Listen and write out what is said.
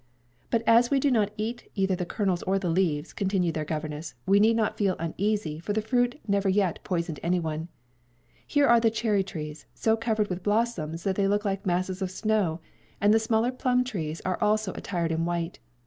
"But, as we do not eat either the kernels or the leaves," continued their governess, "we need not feel uneasy, for the fruit never yet poisoned any one. Here are the cherry trees, so covered with blossoms that they look like masses of snow; and the smaller plum trees are also attired in white.